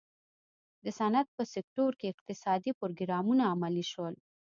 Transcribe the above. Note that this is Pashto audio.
د صنعت په سکتور کې اقتصادي پروګرامونه عملي شول.